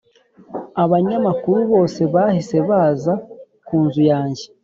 Abanyamakuru bose bahise baza kunzu yanjye.